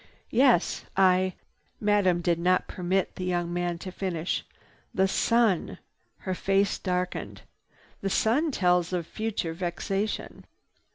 "Yes, I—" Madame did not permit the young man to finish. "The Sun!" Her face darkened. "The Sun tells of future vexation."